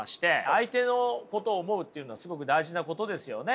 相手のことを思うっていうのはすごく大事なことですよね。